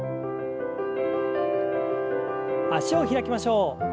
脚を開きましょう。